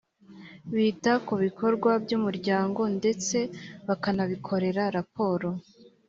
bita ku bikorwa by’umuryango ndetse bakanabikorera raporo